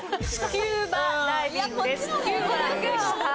キューバでした。